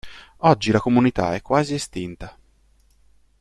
Oggi la comunità è quasi estinta.